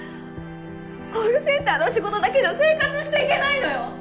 ⁉コールセンターの仕事だけじゃ生活していけないのよ！